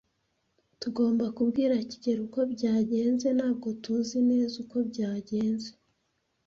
Tugomba kubwira kigeli uko byagenze. Ntabwo tuzi neza uko byagenze.